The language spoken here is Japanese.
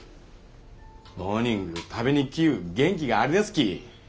モーニング食べに来ゆう元気があるやすき